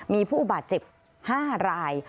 มีผู้บาดเจ็บ๕ราย